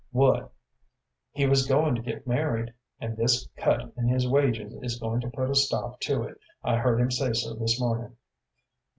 "What?" "He was going to get married, and this cut in his wages is going to put a stop to it. I heard him say so this morning."